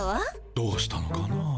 どうしたのかな？